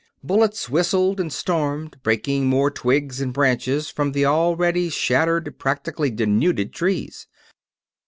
Bullets whistled and stormed, breaking more twigs and branches from the already shattered, practically denuded trees.